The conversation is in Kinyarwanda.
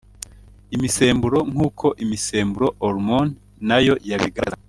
imisemburo nk’uko imisemburo (Hormones) na yo yabigaragazaga